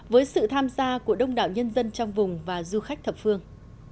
với sự tham gia của đông đảo nhân dân trong vùng và du khách thập phương